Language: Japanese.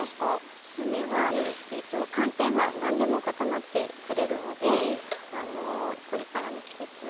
おすすめは寒天は何でも固まってくれるのでこれからの季節例えばイチジクとか。